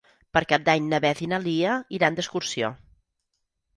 Per Cap d'Any na Beth i na Lia iran d'excursió.